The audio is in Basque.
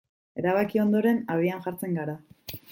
Erabaki ondoren, abian jartzen gara.